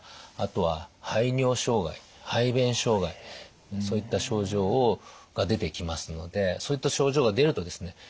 あとは排尿障害排便障害そういった症状が出てきますのでそういった症状が出るとですね